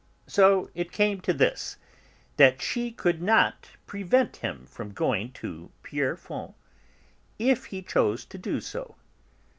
So it came to this; that she could not prevent him from going to Pierrefonds if he chose to do so.